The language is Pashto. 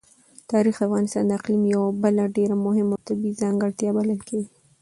تاریخ د افغانستان د اقلیم یوه بله ډېره مهمه او طبیعي ځانګړتیا بلل کېږي.